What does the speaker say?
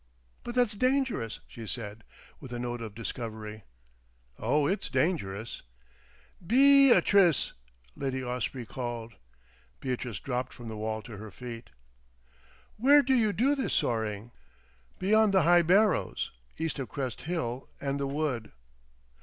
"But that's dangerous!" she said, with a note of discovery. "Oh!—it's dangerous." "Bee atrice!" Lady Osprey called. Beatrice dropped from the wall to her feet. "Where do you do this soaring?" "Beyond the high Barrows. East of Crest Hill and the wood."